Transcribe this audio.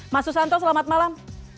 mas susanto selamat malam